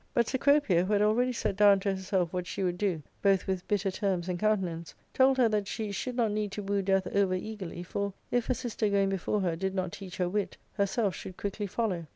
But Cecropia, who had already set down to herself what she would do, both with bitter terms and countenance, told her that she should not need to woo death over eagerly, for, if her sister going before her did not teach her wit, herself should quickly follow.